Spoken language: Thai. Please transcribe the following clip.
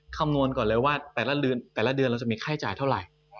คำนวณก่อนเลยว่าแต่ละเดือนเราจะมีค่าจ่ายเท่าไหร่